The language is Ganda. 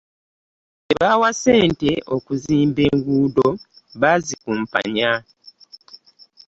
Bebaawa sente okuximba enguudo, bszikumpanya .